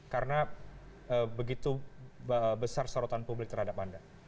karena begitu besar sorotan publik terhadap anda